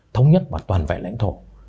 thống nhất và toàn vẹn lãnh thổ